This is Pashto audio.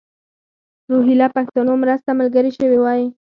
روهیله پښتنو مرسته ملګرې شوې وای.